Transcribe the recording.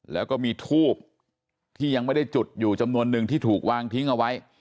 แล้วก็มีทูบที่ยังไม่ได้จุดอยู่จำนวนนึงที่ถูกวางทิ้งเอาไว้